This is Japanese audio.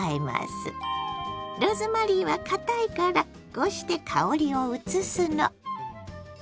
ローズマリーはかたいからこうして香りをうつすの。